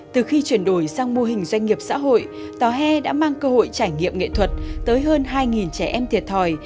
từ khi chuyển đổi sang mô hình doanh nghiệp xã hội tòa hè đã mang cơ hội trải nghiệm nghệ thuật tới hơn hai trẻ em thiệt thòi